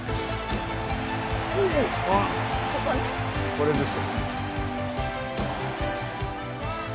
これです。